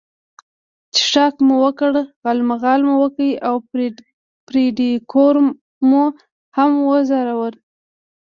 څښاک مو وکړ، غالمغال مو وکړ او فرېډریکو مو هم وځوراوه.